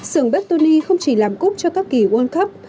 xưởng bertone không chỉ làm cúp cho các kỳ world cup